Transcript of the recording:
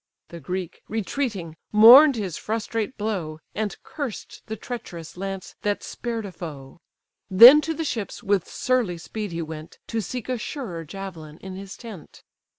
The Greek, retreating, mourn'd his frustrate blow, And cursed the treacherous lance that spared a foe; Then to the ships with surly speed he went, To seek a surer javelin in his tent.